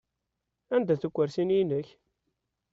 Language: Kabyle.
Anda-t ukursi-inek?